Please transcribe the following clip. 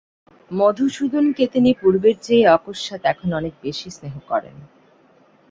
মধুসূদনকে তিনি পূর্বের চেয়ে অকস্মাৎ এখন অনেক বেশি স্নেহ করেন।